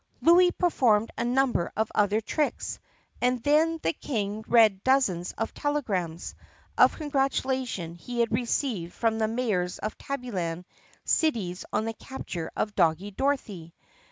Louis performed a number of other tricks, and then the King read dozens of telegrams of congratulation he had received from the mayors of Tabbyland cities on the capture of Doggie Dorothy.